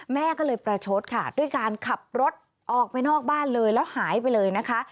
แม่ก็เลยประชดค่ะด้วยการขับรถออกไปนอกบ้านเลยแล้วหายไปเลยนะคะ